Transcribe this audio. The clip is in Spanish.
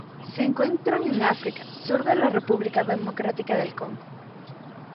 Se encuentran en África: sur de la República Democrática del Congo.